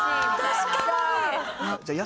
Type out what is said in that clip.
確かに！